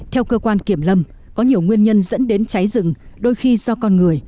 theo cơ quan kiểm lâm có nhiều nguyên nhân dẫn đến cháy rừng đôi khi do con người